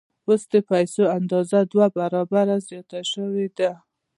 اوس د پیسو اندازه دوه برابره زیاته شوې ده